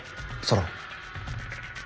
ソロン。